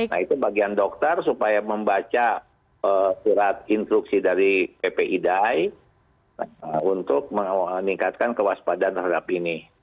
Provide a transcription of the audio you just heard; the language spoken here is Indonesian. nah itu bagian dokter supaya membaca surat instruksi dari ppidai untuk meningkatkan kewaspadaan terhadap ini